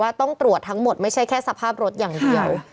ต้องตรวจทั้งหมดไม่ใช่แค่สภาพรถอย่างเดียว